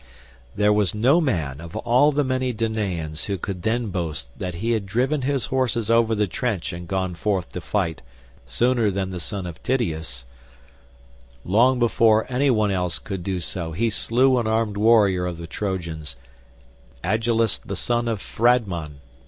There was no man of all the many Danaans who could then boast that he had driven his horses over the trench and gone forth to fight sooner than the son of Tydeus; long before any one else could do so he slew an armed warrior of the Trojans, Agelaus the son of Phradmon.